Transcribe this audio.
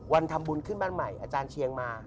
วันทำบุญขึ้นบ้านใหม่อาจารย์เชียงมา